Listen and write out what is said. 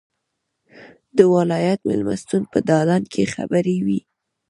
د ولایت مېلمستون په دالان کې خبرې وې.